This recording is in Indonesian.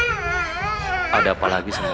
kita bisa coba di validannya sama brian